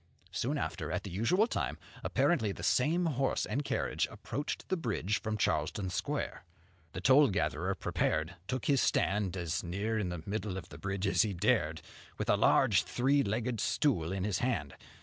Soon after, at the usual time, apparently the same horse and carriage approached the bridge from Charlestown square. The toll gatherer, prepared, took his stand as near the middle of the bridge as he dared, with a large three legged stool in his hand.